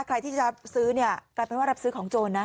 ใครที่จะซื้อเนี่ยกลายเป็นว่ารับซื้อของโจรนะ